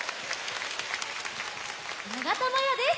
ながたまやです。